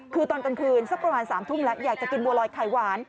คือตอนกลางคืนสักประมาณ๓ทุ่มแล้วอยากจะกินบัวลอยไข่หวาน